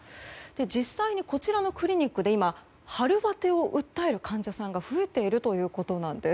実際にこちらのクリニックで今、春バテを訴える患者さんが増えているということなんです。